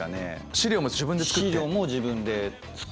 資料も自分で作って。